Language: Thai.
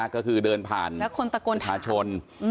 ก็คือเดินผ่านประชาชน